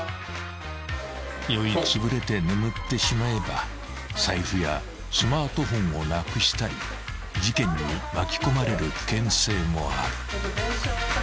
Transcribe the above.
［酔いつぶれて眠ってしまえば財布やスマートフォンをなくしたり事件に巻き込まれる危険性もある］